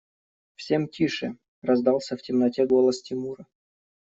Всем тише! – раздался в темноте голос Тимура.